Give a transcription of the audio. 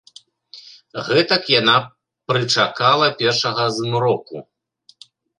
Гэтак яна прычакала першага змроку.